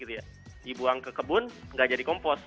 dibuang ke kebun nggak jadi kompos